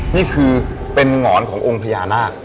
นี่คือเป็นหงอนขององค์พญานาค